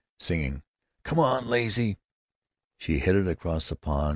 Singing, "Come on, lazy!" she headed across the pond.